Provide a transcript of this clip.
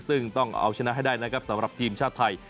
ซึ่งต้องเอาชนะให้ได้นะครับสำหรับทีมชาติไทย